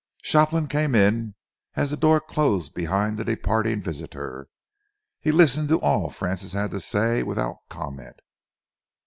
Shopland came in as the door closed behind the departing visitor. He listened to all that Francis had to say, without comment.